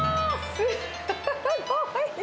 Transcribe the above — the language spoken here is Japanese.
すっごい！